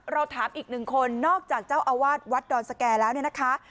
ถามอีกหนึ่งคนนอกจากเจ้าอาวาสวัดดอนสแก่แล้วเนี่ยนะคะ